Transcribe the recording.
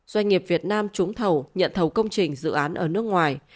doanh nghiệp việt nam trúng thầu nhận thầu công trình dự án ở nước ngoài